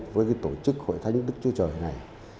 với tổ chức hội thánh đức chúa trời này